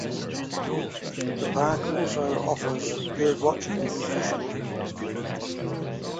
The park also offers birdwatching and fishing.